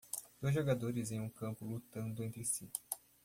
dois jogadores em um campo lutando entre si.